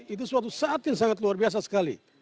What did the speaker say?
itu suatu saat yang sangat luar biasa sekali